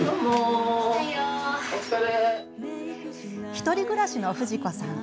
１人暮らしのフジ子さん。